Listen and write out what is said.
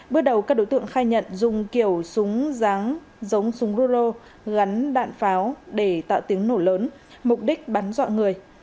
bước đầu các đối tượng khai nhận dùng kiểu súng ráng giống súng ruro gắn đạn pháo để tạo tiếng nổ lớn mục đích bắn dọa người